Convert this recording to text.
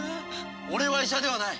俺は医者ではない。